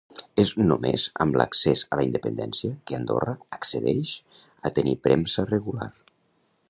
És només amb l'accés a la independència que Andorra accedeix a tenir premsa regular.